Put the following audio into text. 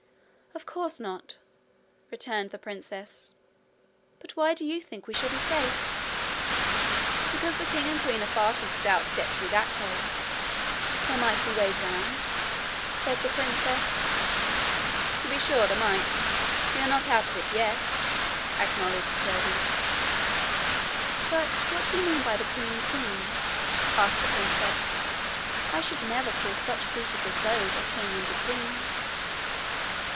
'Of course not,' returned the princess. 'But why do you think we shall be safe?' 'Because the king and queen are far too stout to get through that hole.' 'There might be ways round,' said the princess. 'To be sure there might: we are not out of it yet,' acknowledged Curdie. 'But what do you mean by the king and queen?' asked the princess. 'I should never call such creatures as those a king and a queen.'